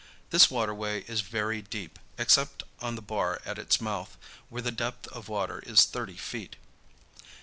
This waterway is very deep except on the bar at its mouth, where the depth of water is thirty feet.